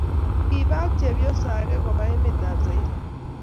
kiba ak chepyoso age koba emet ab zaire